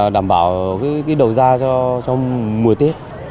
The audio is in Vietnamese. đảm bảo đầu ra trong mùa tết